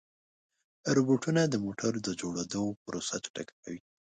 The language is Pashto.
روبوټونه د موټرو د جوړېدو پروسه چټکه کوي.